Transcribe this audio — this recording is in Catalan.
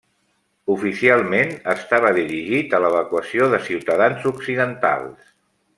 Oficialment, estava dirigit a l'evacuació de ciutadans occidentals.